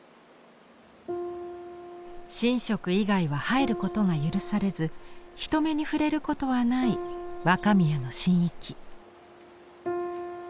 神職以外は入ることが許されず人目に触れることはない若宮の神域。